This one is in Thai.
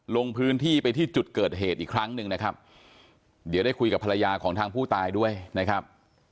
ลงพื้นที่ไปที่จุดเกิดเหตุอีกครั้งหนึ่งนะครับเดี๋ยวได้คุยกับภรรยาของทางผู้ตายด้วยนะครับ